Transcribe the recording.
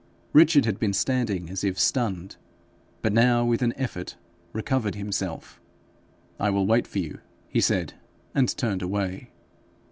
Richard had been standing as if stunned, but now with an effort recovered himself. 'I will wait for you,' he said, and turned away.